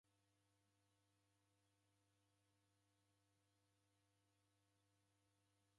Kala w'andu w'erekoghe w'ikinugha chia ihi